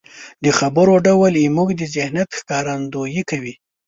د خبرو ډول زموږ د ذهنيت ښکارندويي کوي.